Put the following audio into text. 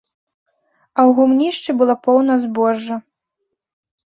А ў гумнішчы было поўна збожжа.